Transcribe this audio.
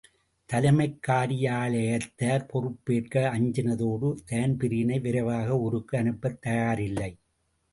தலைமைக் காரியாலயத்தார் பொறுப்பேற்க அஞ்சினதோடு, தான்பிரீனை விரைவாக ஊருக்கு அனுப்பத் தயாராயில்லை.